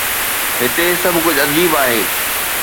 هتي سڀ ڪجهه عجيب آهي.